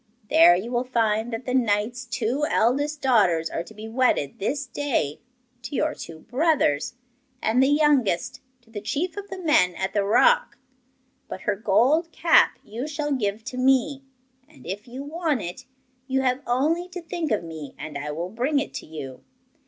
There you will find that the knight's two eldest daughters are to be wedded this day to your two brothers, and the youngest to the chief of the men at the rock. But her gold cap you shall give to me and, if you want it, you have only to think of me and I will bring it to you.